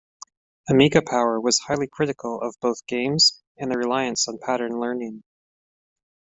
Amiga Power was highly critical of both games and the reliance on pattern learning.